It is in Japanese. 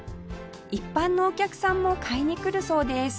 一般のお客さんも買いに来るそうです